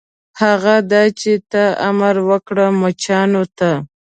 هغه دا چې ته امر وکړه مچانو ته.